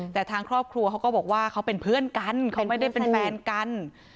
แต่ทางครอบครัวเขาก็บอกว่าเขาเป็นเพื่อนกันเขาไม่ได้เป็นแฟนกัน